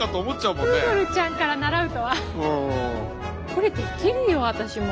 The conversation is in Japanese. これできるよ私も。